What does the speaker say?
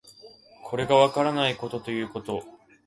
これがわからないことということ